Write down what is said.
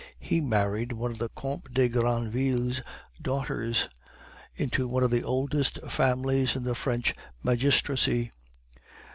He married one of the Comte de Granville's daughters, into one of the oldest families in the French magistracy."